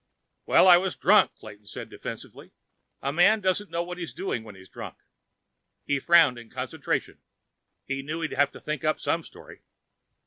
"Well, I was drunk," Clayton said defensively. "A man doesn't know what he's doing when he's drunk." He frowned in concentration. He knew he'd have to think up some story.